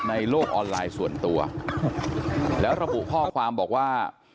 ในโลกออนไลน์ส่วนตัวแล้วระบุข้อความบอกว่า